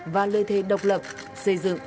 và lời thề độc lập xây dựng